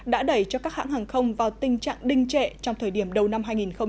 đã đẩy cho các hãng hàng không vào tình trạng đinh trệ trong thời điểm đầu năm hai nghìn hai mươi